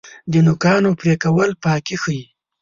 د نوکانو پرې کول پاکي ښیي.